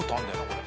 これ。